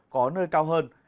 có nơi cao hơn